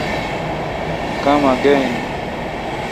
Later, he was a supporter of Anjouan President Mohamed Bacar.